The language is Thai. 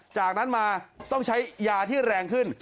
จากนั้นมาต้องใช้ยาที่แรงขึ้น